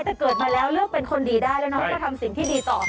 แต่เกิดมาแล้วเลือกเป็นคนดีได้แล้วน้องจะทำสิ่งที่ดีต่อ